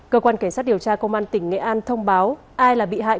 cơ quan cảnh sát điều tra công an tỉnh nghệ an thông báo ai là bị hại